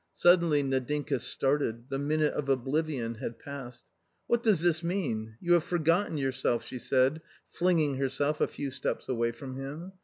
Suddenly Nadinka started, the minute of oblivion had passed. " What does this mean ? you have forgotten yourself," she said, flinging herself a few steps away from him.